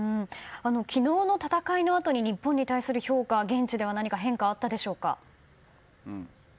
昨日の戦いのあとに日本に対する評価は現地では何か変化があったでしょうか？